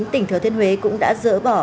tỉnh thừa thiên huế cũng đã dỡ bỏ